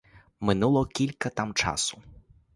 Минуло кілька там часу.